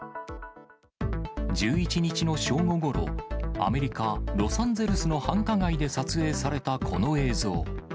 １１日の正午ごろ、アメリカ・ロサンゼルスの繁華街で撮影されたこの映像。